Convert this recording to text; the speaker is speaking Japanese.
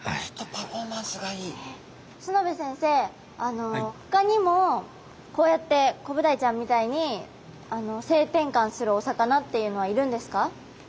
須之部先生あのほかにもこうやってコブダイちゃんみたいに性転換するお魚っていうのはいるんですか？